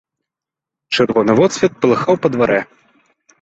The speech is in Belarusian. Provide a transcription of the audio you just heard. Чырвоны водсвет палыхаў па дварэ.